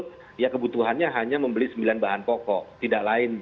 karena kebutuhannya hanya membeli sembilan bahan pokok tidak lain